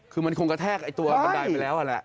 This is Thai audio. คือมันคงกระแทกไอ้ตัวบันไดไปแล้วแหละ